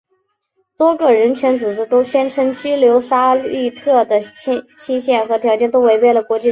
多个人权组织都宣称拘留沙利特的期限和条件都违背了国际人道法。